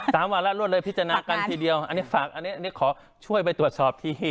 วันละรวดเลยพิจารณากันทีเดียวอันนี้ฝากอันนี้อันนี้ขอช่วยไปตรวจสอบที